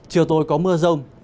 chiều tối có mưa rông